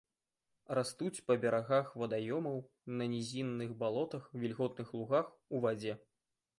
Растуць па берагах вадаёмаў, на нізінных балотах, вільготных лугах, у вадзе.